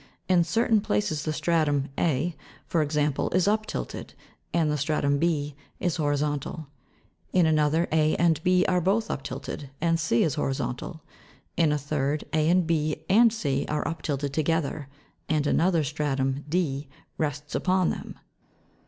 In certain places the stratum a, for example, is uptilted, and the stratum b is horizon tal ; in another, a and b are both uptilted, and c is horizontal ; in a third, a, 6, and c, are uptilted together, and another stratum, d, rests upon them.